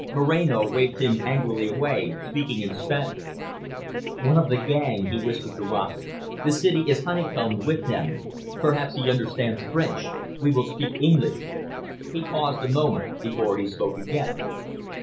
Moreno waved him angrily away, speaking in Spanish. "One of the gang," he whispered to Rossett. "The city is honeycombed with them. Perhaps he understands French; we will speak English." He paused a moment before he spoke again.